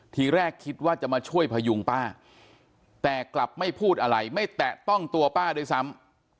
ทีแรกคิดว่าจะมาช่วยพยุงป้าแต่กลับไม่พูดอะไรไม่แตะต้องตัวป้าด้วยซ้ำ